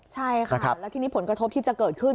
ใช่ค่ะแล้วทีนี้ผลกระทบที่จะเกิดขึ้น